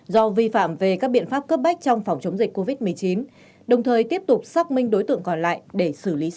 do vi phạm về các biện pháp cấp bách trong phòng chống dịch covid một mươi chín đồng thời tiếp tục xác minh đối tượng còn lại để xử lý